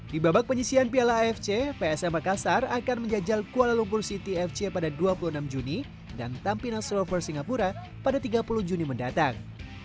di babak penyisian piala afc psm makassar akan menjajal kuala lumpur city fc pada dua puluh enam juni dan tampinan strover singapura pada tiga puluh juni mendatang